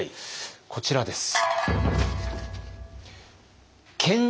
こちらです。